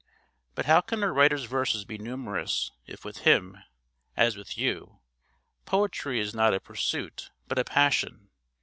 But how can a writer's verses be numerous if with him, as with you, 'poetry is not a pursuit but a passion...